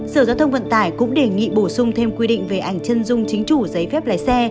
sở giao thông vận tải cũng đề nghị bổ sung thêm quy định về ảnh chân dung chính chủ giấy phép lái xe